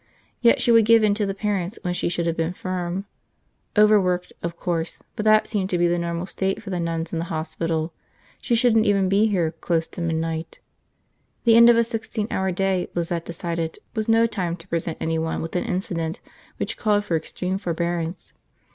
Yet she would give in to the parents when she should have been firm. Overworked, of course, but that seemed to be the normal state for the nuns in the hospital. She shouldn't even be here, close to midnight. The end of a sixteen hour day, Lizette decided, was no time to present anyone with an incident which called for extreme forbearance.